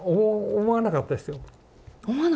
思わなかったんですか？